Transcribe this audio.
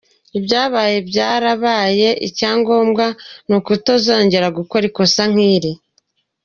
Ibyabaye byarabaye, icyangombwa ni ukutongera gukora ikosa nk’iri.